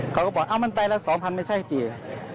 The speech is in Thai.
เขาก็บอกเอ้ามันใบละ๒๐๐๐ไม่ใช่เนี่ย